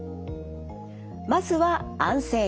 まずは安静に。